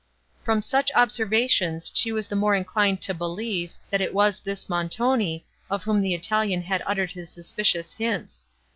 From such observations she was the more inclined to believe, that it was this Montoni, of whom the Italian had uttered his suspicious hints.